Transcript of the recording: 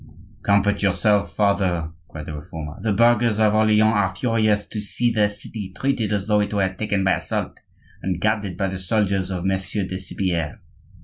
"Comfort yourself, father," said the Reformer; "the burghers of Orleans are furious to see their city treated as though it were taken by assault, and guarded by the soldiers of Monsieur de Cypierre.